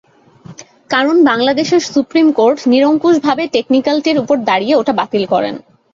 কারণ, Bangladesh supreme court নিরঙ্কুশভাবে টেকনিক্যালটির ওপর দাঁড়িয়ে ওটা বাতিল করেন।